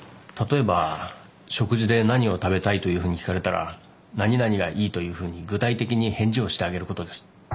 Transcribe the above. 例えば食事で何を食べたいというふうに聞かれたら何々がいいというふうに具体的に返事をしてあげることです。